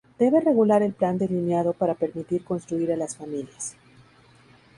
Debe regular el plan delineado para permitir construir a las familias".